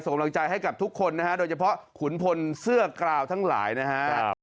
กำลังใจให้กับทุกคนนะฮะโดยเฉพาะขุนพลเสื้อกราวทั้งหลายนะฮะ